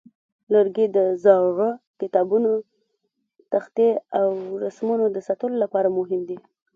لرګي د زاړه کتابتونه، تختې، او رسمونو د ساتلو لپاره مهم دي.